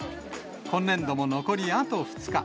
今年度も残りあと２日。